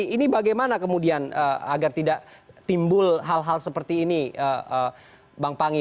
ini bagaimana kemudian agar tidak timbul hal hal seperti ini bang pangi